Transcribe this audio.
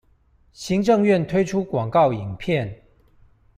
行政院推出廣告影片